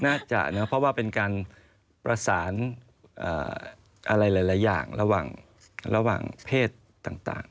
น่าจะนะเพราะว่าเป็นการประสานอะไรหลายอย่างระหว่างเพศต่าง